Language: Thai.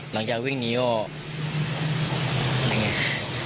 หลังจากวิ่งหนีก็นั่งไง